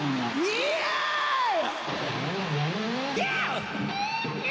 イエーイ！